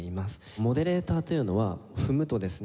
モデレーターというのは踏むとですね